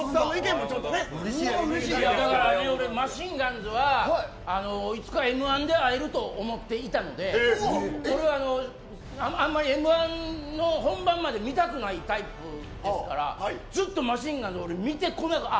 マシンガンズはいつかＭ‐１で会えると思っていたので俺はあんまりＭ‐１の本番まで見たくないタイプですからずっとマシンガンズ見てこなかった。